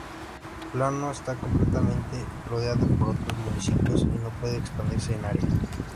Plano esta completamente rodeado por otros municipios y no puede expandirse en área.